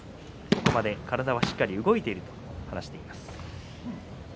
ここまで体はしっかり動いていると話しています。